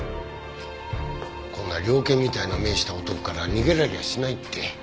こんな猟犬みたいな目した男から逃げられやしないって。